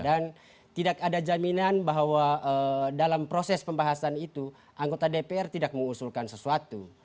dan tidak ada jaminan bahwa dalam proses pembahasan itu anggota dpr tidak mengusulkan sesuatu